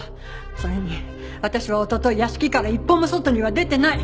それに私はおととい屋敷から一歩も外には出てない。